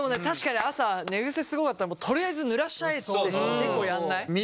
確かに朝寝ぐせスゴかったらとりあえず濡らしちゃえって結構やんない？